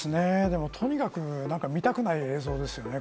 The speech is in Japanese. でも、とにかく見たくない映像ですね。